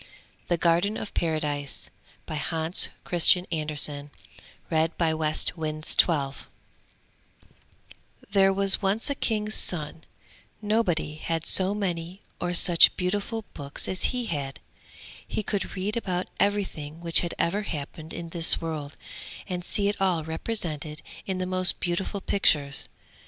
THE GARDEN OF PARADISE There was once a king's son; nobody had so many or such beautiful books as he had. He could read about everything which had ever happened in this world, and see it all represented in the most beautiful pictures.